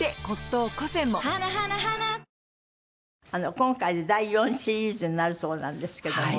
今回で第４シリーズになるそうなんですけども。